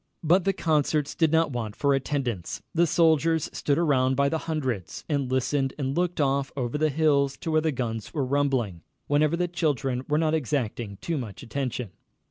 But the concerts did not want for attendance. The soldiers stood around by the hundreds, and listened and looked off over the hills to where the guns were rumbling, whenever the children were not exacting too much attention.